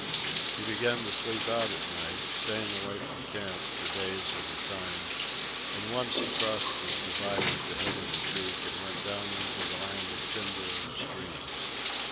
He began to sleep out at night, staying away from camp for days at a time; and once he crossed the divide at the head of the creek and went down into the land of timber and streams.